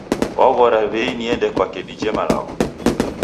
Waghora w'ei niende kwake dije malagho